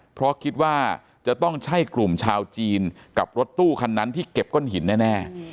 เพราะคิดว่าจะต้องใช่กลุ่มชาวจีนกับรถตู้คันนั้นที่เก็บก้นหินแน่